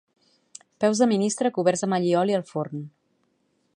Peus de ministre coberts amb allioli al forn